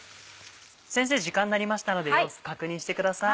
先生時間になりましたので様子確認してください。